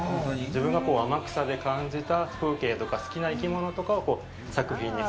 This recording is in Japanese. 自分が天草で感じた風景とか、好きな生き物とかを作品に。